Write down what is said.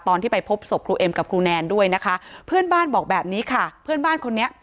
ตอนที่ไปพบศพครูเอ็มกับครูแนนด้วยนะคะเพื่อนบ้านบอกแบบนี้ค่ะเพื่อนบ้านคนนี้